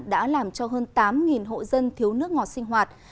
đã làm cho hơn tám hộ dân thiếu nước ngọt sinh hoạt